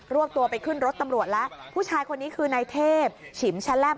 วบตัวไปขึ้นรถตำรวจแล้วผู้ชายคนนี้คือนายเทพฉิมแชะแล่ม